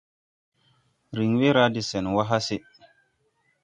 Riŋ we ra de sɛn wà hase.